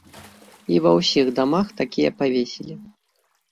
І ва ўсіх дамах такія павесілі.